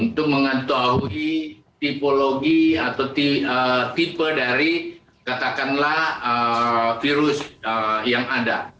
untuk mengetahui tipologi atau tipe dari katakanlah virus yang ada